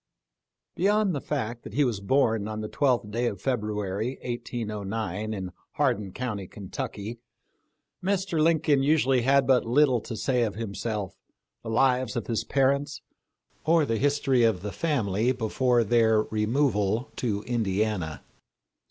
Beyond the fact that he was born on the 12th day of February, 1809, in Hardin county, Ken tucky, Mr. Lincoln usually had but little to say of himself, the lives of his parents, or the history of the family before their removal to Indiana.